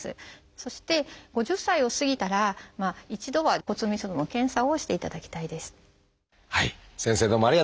そして５０歳を過ぎたら一度は骨密度の検査をしていただきたいです。